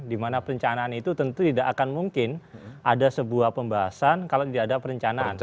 dimana perencanaan itu tentu tidak akan mungkin ada sebuah pembahasan kalau tidak ada perencanaan